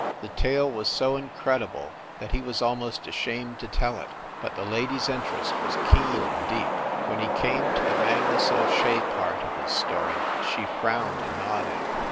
The tale was so incredible that he was almost ashamed to tell it, but the lady s interest was keen and deep. When he came to the Mangus O Shea part of his story she frowned and nodded.